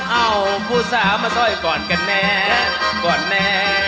เอามาสร้อยก่อนกันแน่